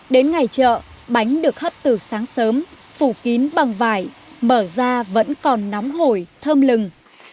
đến ngày chợ bánh được hấp từ sáng sớm phủ kín bằng vải mở ra vẫn còn nóng hồi thơm lừng